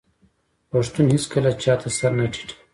پښتون هیڅکله چا ته سر نه ټیټوي.